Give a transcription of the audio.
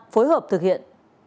phối hợp thực hiện